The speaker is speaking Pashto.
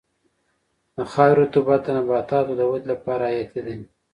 د خاورې رطوبت د نباتاتو د ودې لپاره حیاتي دی.